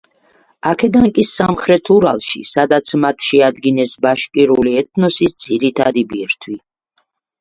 აქედან კი სამხრეთ ურალში, სადაც მათ შეადგინეს ბაშკირული ეთნოსის ძირითადი ბირთვი.